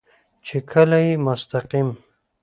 چې کله يې مستقيم